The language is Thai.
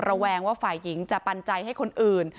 แวงว่าฝ่ายหญิงจะปันใจให้คนอื่น